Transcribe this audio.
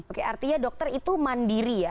oke artinya dokter itu mandiri ya